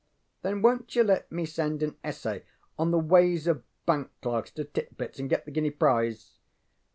ŌĆØ ŌĆ£Then, wonŌĆÖt you let me send an essay on The Ways of Bank Clerks to Tit Bits, and get the guinea prize?